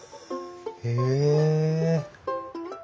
へえ。